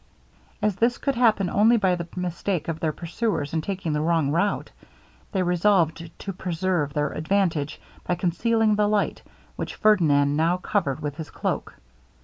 As this could happen only by the mistake of their pursuers, in taking the wrong route, they resolved to preserve their advantage, by concealing the light, which Ferdinand now covered with his cloak.